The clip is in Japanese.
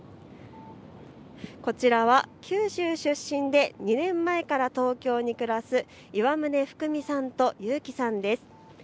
こちらは九州出身で２年前から東京に暮らす岩宗福美さんと勇希さんです。